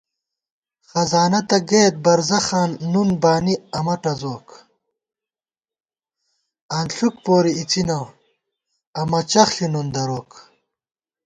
خزانہ تہ گئیت برزَخاں نُن بانی امہ ٹزوک * انݪُک پوری اِڅِنہ امہ چَخݪی نُن دروک